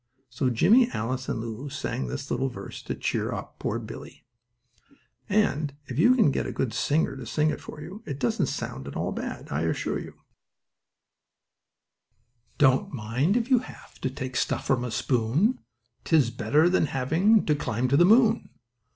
So Jimmie, Alice and Lulu sang this little verse to cheer up poor, sick Billie, and, if you can get a good singer to sing it for you, it doesn't sound at all bad, I assure you: Don't mind if you have to take stuff from a spoon, 'Tis better than having to climb to the moon.